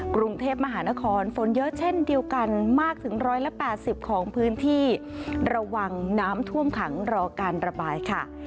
กรุงเทพมหานครฝนเยอะเช่นเดียวกันมากถึง๑๘๐ของพื้นที่ระวังน้ำท่วมขังรอการระบายค่ะ